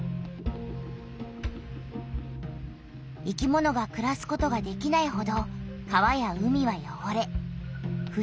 生きものがくらすことができないほど川や海はよごれふ